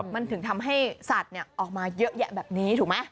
มันถึงทำให้สัตว์ออกมาเยอะแยะแบบนี้ถูกไหม